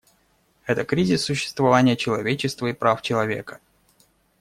Это кризис существования человечества и прав человека.